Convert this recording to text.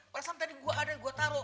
pada saat tadi gue ada gue taruh